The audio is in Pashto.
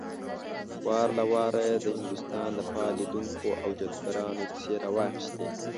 وار له واره يې د هندوستان د فال ليدونکو او جادوګرانو کيسې راواخيستې.